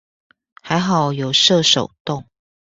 還好有設手動